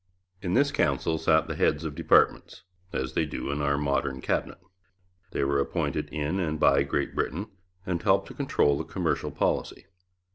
In this Council sat the heads of departments, as they do in our modern Cabinet. They were appointed in and by Great Britain, and helped to control the commercial policy.